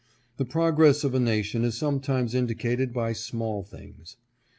The progress of a nation is sometimes indicated by small things.